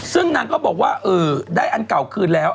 ซึ่งนางก็บอกว่าได้อันเก่าคืนแล้ว